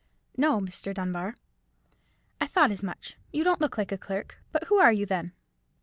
"No, Mr. Dunbar." "I thought as much; you don't look like a clerk; but who are you, then?"